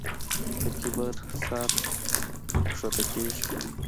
د کبر سر ښکته کېږي.